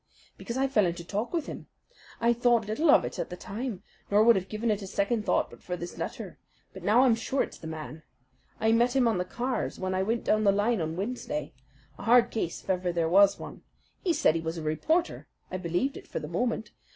"Because I fell into talk with him. I thought little of it at the time, nor would have given it a second thought but for this letter; but now I'm sure it's the man. I met him on the cars when I went down the line on Wednesday a hard case if ever there was one. He said he was a reporter. I believed it for the moment.